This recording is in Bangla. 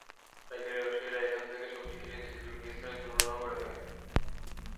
পাইকারি ব্যবসায়ীরা এখান থেকে সবজি কিনে দেশের বিভিন্ন স্থানে সরবরাহ করে থাকেন।